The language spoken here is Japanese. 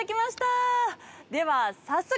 では早速。